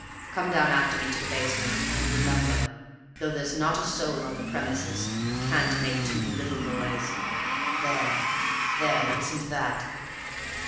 Come down after me to the basement; and remember, though there's not a soul on the premises, you can't make too little noise. There there listen to that!"